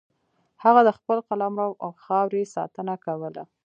هغه د خپل قلمرو او خاورې ساتنه کوله.